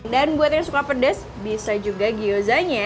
dan buat yang suka pedes bisa juga gyozanya